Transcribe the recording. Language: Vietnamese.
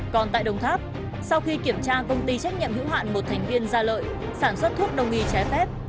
còn tại đồng tháp sau khi kiểm tra công ty trách nhiệm hữu hạn một thành viên gia lợi sản xuất thuốc đông y trái phép